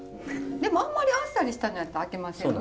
でもあんまりあっさりしたのやったらあきませんね。